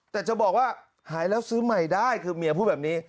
แต่จะบอกว่าหายแล้วซื้อใหม่ได้คือเมียพูดแบบนี้